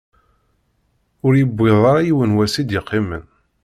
Ur yewwiḍ ara yiwen wass i d-iqqimen.